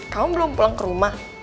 kamu belum pulang ke rumah